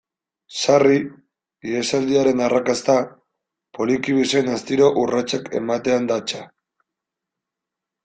Sarri, ihesaldiaren arrakasta, poliki bezain astiro urratsak ematean datza.